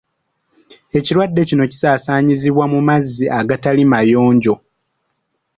Ekirwadde kino kisaasaanyizibwa mu mazzi agatali mayonjo.